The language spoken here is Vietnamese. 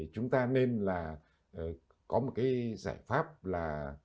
chúng ta nên là có một cái giải pháp là